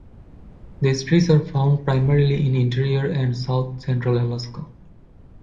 These trees are found primarily in interior and south central Alaska.